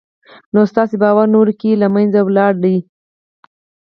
نو ستاسې باور نورو کې له منځه وړلای شي